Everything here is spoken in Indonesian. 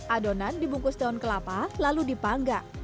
adonan dibungkus daun kelapa lalu dipanggang